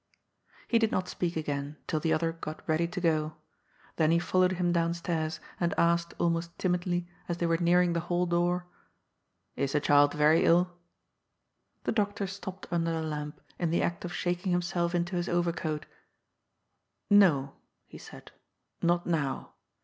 He did not speak again, till the other got ready to go. Then he followed him down stairs, and asked, almost timidly, as they were nearing the hall door :" Is the child very iU ?" The doctor stopped under the lamp, in the act of shak ing himself into his overcoat :" No," he said. " Not now.